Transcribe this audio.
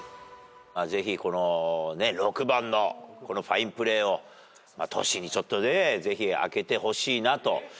ぜひ６番のファインプレーをトシにちょっとねぜひあけてほしいなと。